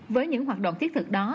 với những hoạt động thiết thực đó